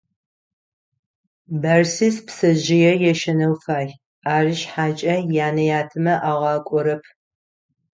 Бэрсис пцэжъые ешэнэу фай, ары шъхьакӏэ янэ-ятэмэ агъакӏорэп.